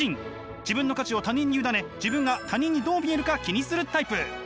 自分の価値を他人に委ね自分が他人にどう見えるか気にするタイプ。